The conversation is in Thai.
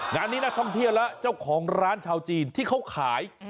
งานนี้นักท่องเที่ยวและเจ้าของร้านชาวจีนที่เขาขาย